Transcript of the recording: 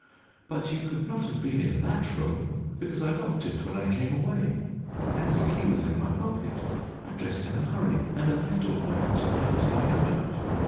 But you could not have been in that room, because I locked it when I came away, and the key was in my pocket. I dressed in a hurry and I left all my odds and ends lying about."